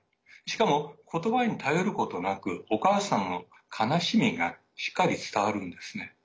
しかも、言葉に頼ることなくお母さんの悲しみがしっかり伝わるんですね。